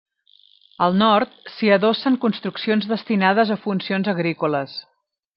Al nord s'hi adossen construccions destinades a funcions agrícoles.